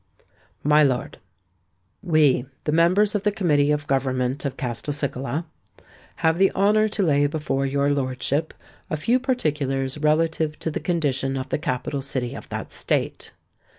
"MY LORD, "We, the members of the Committee of Government of Castelcicala, have the honour to lay before your lordship a few particulars relative to the condition of the capital city of that State.